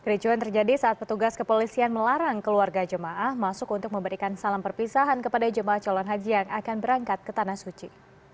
kericuan terjadi saat petugas kepolisian melarang keluarga jemaah masuk untuk memberikan salam perpisahan kepada jemaah calon haji yang akan berangkat ke tanah suci